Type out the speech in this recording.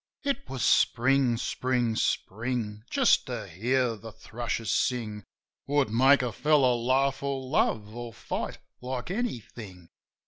It was Spring, Spring, Spring! Just to hear the thrushes sing Would make a fellozv laugh, or love, or fight like anything.